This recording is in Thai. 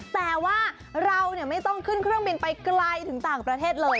แต่ว่าเราไม่ต้องขึ้นเครื่องบินไปไกลถึงต่างประเทศเลย